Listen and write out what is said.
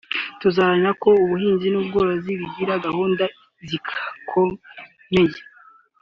tuzaharanira ko umuhinzi n’umworozi bagira gahunda zikomeye